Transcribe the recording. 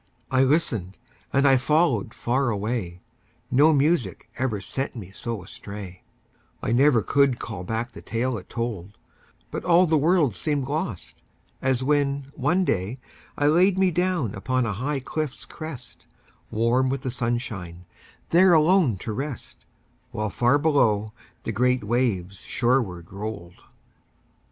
I listened, and I followed far away No music ever sent me so astray, I never could call back the tale it told, But all the world seemed lost, as when, one day, I laid me down upon a high cliff's crest, Warm with the sunshine, there alone to rest, While far below the great waves shoreward rolled.